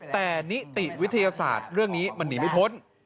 แต่นิติวิทยาศาสตร์เรื่องนี้มันหนีไม่พ้น